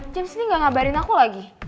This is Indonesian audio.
jam sini gak ngabarin aku lagi